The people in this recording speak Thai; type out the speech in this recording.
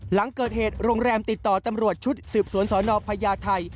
หลังเกิดเหตุโรงแรมติดต่อตำรวจชุดสืบสวนสนพญาไทย